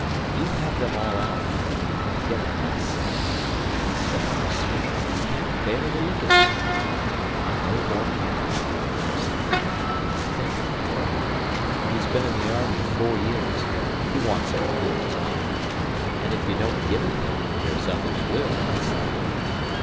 You have them all out, Lil, and get a nice set, 145 He said, I swear, I can't bear to look at you. And no more can't I, I said, and think of poor Albert, He's been in the army four years, he wants a good time, And if you don't give it him, there's others will, I said.